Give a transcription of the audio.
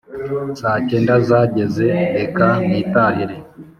saa cyenda zageze reka nitahire